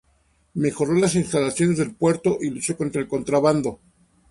Mejoró las instalaciones del puerto y luchó contra el contrabando.